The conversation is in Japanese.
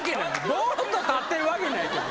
ボーッと立ってるわけないけど。